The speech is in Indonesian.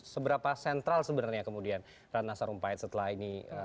seberapa sentral sebenarnya kemudian ratna sarumpait setelah ini